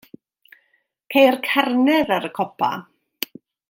Ceir carnedd ar y copa.